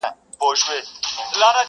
او ټوکي کوي،